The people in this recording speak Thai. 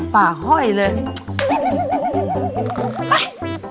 ปากห้อยเลย